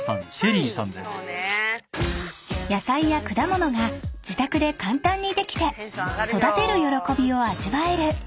［野菜や果物が自宅で簡単にできて育てる喜びを味わえる］